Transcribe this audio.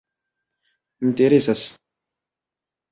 interesas